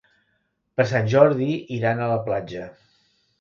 Per Sant Jordi iran a la platja.